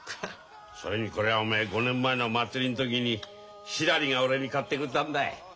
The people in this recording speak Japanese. それにこれはおめえ５年前の祭りん時にしらりが俺に買ってくれたんだ。